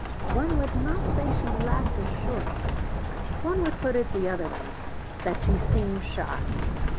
One would not say she lacked assurance; one would put it the other way that she seemed shy.